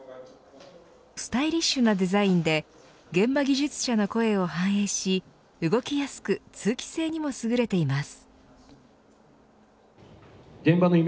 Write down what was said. スタイリッシュなデザインで現場技術者の声を反映し動きやすく通気性にもすぐれています。